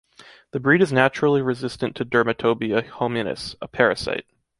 The breed is naturally resistant to Dermatobia-Hominis, a parasite.